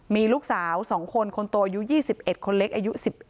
มีลูกสาว๒คนคนโตอายุ๒๑คนเล็กอายุ๑๑